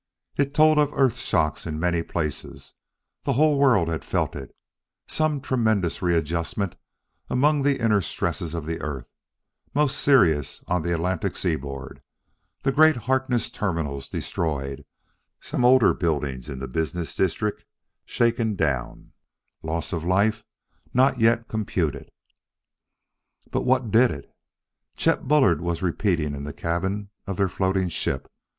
It told of earth shocks in many places the whole world had felt it some tremendous readjustment among the inner stresses of the earth most serious on the Atlantic seaboard the great Harkness Terminals destroyed some older buildings in the business district shaken down loss of life not yet computed.... "But what did it?" Chet Bullard was repeating in the cabin of their floating ship.